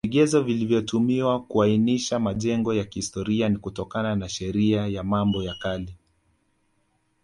Vigezo vilivyotumiwa kuainisha majengo ya kihstoria ni kutokana na Sheria ya mambo ya Kale